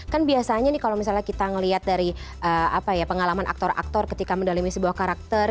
kan biasanya nih kalau misalnya kita melihat dari pengalaman aktor aktor ketika mendalami sebuah karakter